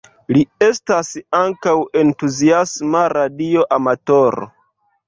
Li estas ankaŭ entuziasma radio amatoro.